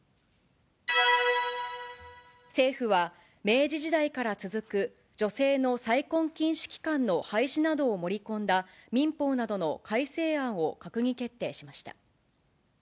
政府は、明治時代から続く女性の再婚禁止期間の廃止などを盛り込んだ民法などの改正案を閣議決定しました。